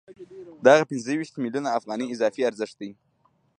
دغه پنځه ویشت میلیونه افغانۍ اضافي ارزښت دی